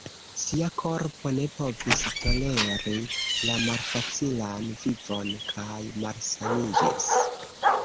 Sia korpo ne povis toleri la malfacilan vivon kaj malsaniĝis.